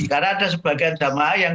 karena ada sebagian jamaah yang